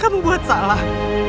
kamu buat salah